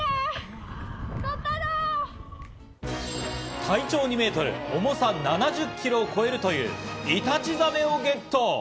体長２メートル、重さ７０キロを超えるというイタチザメをゲット。